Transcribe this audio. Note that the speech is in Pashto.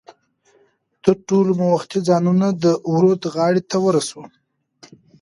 تر ټولو مو وختي ځانونه د ورد غاړې ته ورسو.